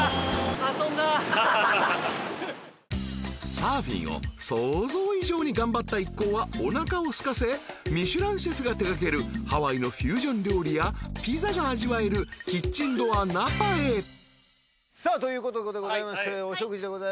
［サーフィンを想像以上に頑張った一行はおなかをすかせミシュランシェフが手がけるハワイのフュージョン料理やピザが味わえるキッチン・ドア・ナパへ］ということでございましてお食事でございます。